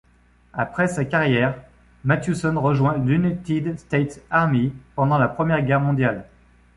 Après sa carrière, Mathewson rejoint l'United States Army pendant la Première Guerre mondiale.